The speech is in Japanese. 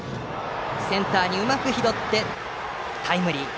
センターにうまく拾ってタイムリー。